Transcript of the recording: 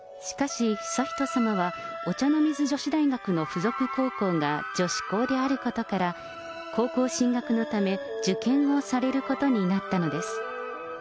しかし、悠仁さまは、お茶の水女子大学の附属高校が女子高であることから、高校進学のため、受検をされることになったのです。